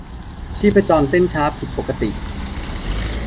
ชีพจรเต้นช้าผิดปกติ